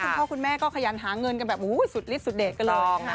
คุณพ่อคุณแม่ก็ขยันหาเงินกันแบบสุดฤทธสุดเด็ดกันเลย